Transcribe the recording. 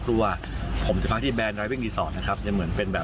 ก็เลยรู้สึกว่าไปก่อเต่าบ้างเราดีกว่า